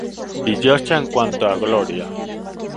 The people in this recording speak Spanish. Villosa en cuanto a gloria.